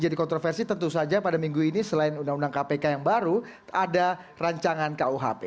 jadi kontroversi tentu saja pada minggu ini selain undang undang kpk yang baru ada rancangan kuhp